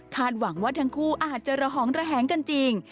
หวังว่าทั้งคู่อาจจะระหองระแหงกันจริง